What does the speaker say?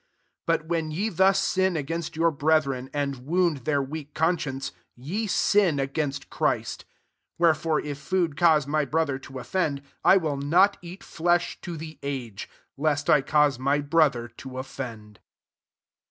Ifi when ye thus sin against^ brethren, and wound their ira( conscience, ye sin agaii Christ. 13 Whereibre if fcq cause my brother to offend^ will not eat fiesh to the a| lest I cause my brother tol fend.